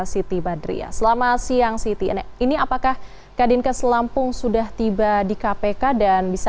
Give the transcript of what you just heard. siti badriah selamat siang siti ini apakah kadinkes lampung sudah tiba di kpk dan bisa